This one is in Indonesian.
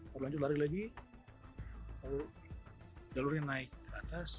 lalu lanjut lari lagi lalu jalurnya naik ke atas